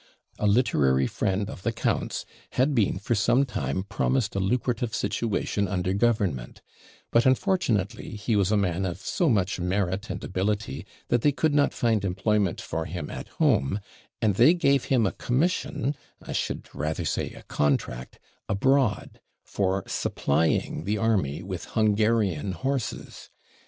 A literary friend of the count's had been for some time promised a lucrative situation under Government; but, unfortunately, he was a man of so much merit and ability, that they could not find employment for him at home, and they gave him a commission, I should rather say a contract, abroad, for supplying the army with Hungarian horses.